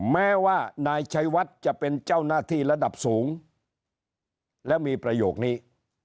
แม้ว่านายชัยวัดจะเป็นเจ้าหน้าที่ระดับสูงแล้วมีประโยคนี้